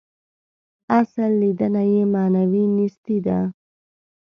اصل لېدنه یې معنوي نیستي ده.